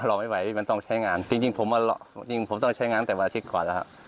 เราไม่ไหวมันต้องใช้งานจริงผมจริงผมต้องใช้งานตั้งแต่วันอาทิตย์ก่อนแล้วครับ